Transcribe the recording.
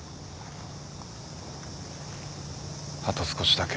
あと少しだけ。